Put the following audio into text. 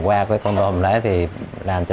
nếu không có mồm mùi